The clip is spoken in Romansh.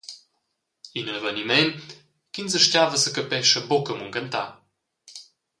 In eveniment ch’ins astgava secapescha buca munchentar.